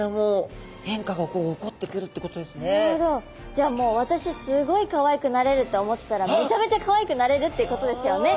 じゃあもう私すごいかわいくなれるって思ってたらめちゃめちゃかわいくなれるっていうことですよね。